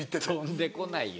飛んでこないよ。